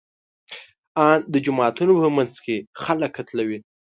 ان د جوماتونو په منځ کې خلک قتلوي.